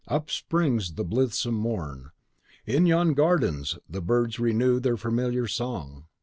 Up springs the blithesome morn. In yon gardens the birds renew their familiar song.